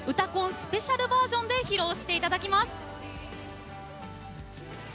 スペシャルバージョンで披露していただきます。